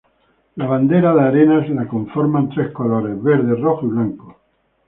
La Bandera de Arenas la conforman tres colores Verde, Rojo y Blanco.